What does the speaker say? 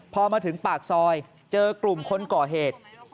พอมาถึงปากซอยเจอกลุ่มคนก่อเหตุ